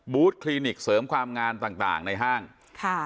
บูธคลินิกเสริมความงานต่างในห้างค่ะ